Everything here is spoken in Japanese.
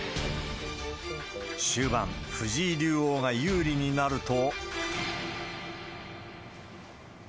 終盤、藤井竜王が有利になると。